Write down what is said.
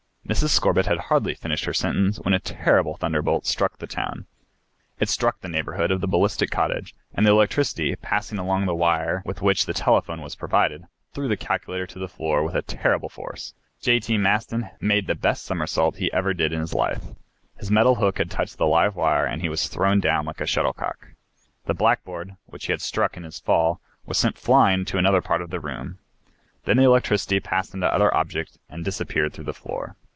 Mrs. Scorbitt had hardly finished her sentence when a terrible thunderbolt struck the town. It struck in the neighborhood of the Ballistic cottage, and the electricity, passing along the wire with which the telephone was provided, threw the calculator to the floor with a terrible force. J.T. Maston made the best summersault he ever did in his life. His metal hook had touched the live wire and he was thrown down like a shuttlecock. The blackboard, which he had struck in his fall, was sent flying to another part of the room. Then the electricity passed into other objects and disappeared through the floor.